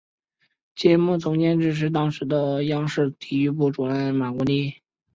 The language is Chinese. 节目总监制是当时的央视体育部主任马国力。